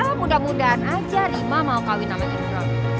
iya mudah mudahan aja rima mau kawin sama indra